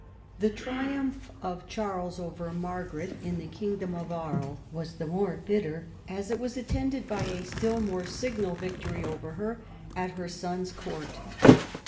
The triumph of Charles over Margaret in the king dom of Aries was the more bitter as it was attended by a still more signal victory over her at her son's court.